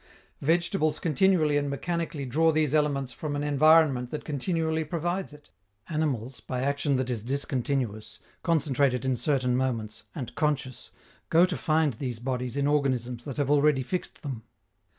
Vegetables continually and mechanically draw these elements from an environment that continually provides it. Animals, by action that is discontinuous, concentrated in certain moments, and conscious, go to find these bodies in organisms that have already fixed them.